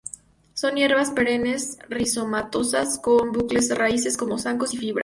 Son hierbas perennes rizomatosas con bucles, raíces como zancos y fibrosas.